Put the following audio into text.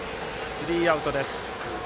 スリーアウトです。